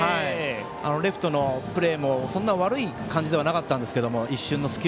レフトの守備も悪い感じではなかったんですけど